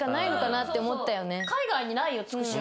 海外にないよつくしは。